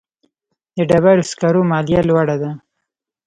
د ډبرو سکرو مالیه لوړه ده